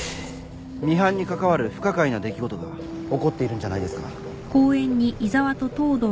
ミハンに関わる不可解な出来事が起こっているんじゃないですか？